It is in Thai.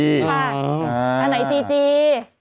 ใช่อ่าอ่านายจีจี